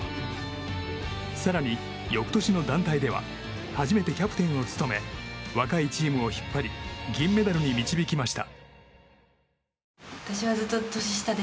更に翌年の団体では初めてキャプテンを務め若いチームを引っ張り銀メダルに導きました。